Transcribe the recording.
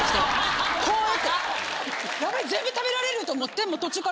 ヤベェ全部食べられる！と思って。